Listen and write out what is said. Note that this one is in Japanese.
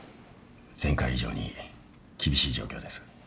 前回以上に厳しい状況です。